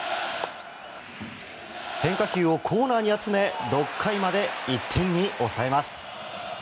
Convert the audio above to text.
変化球をコーナーに集め６回まで１点に抑えます。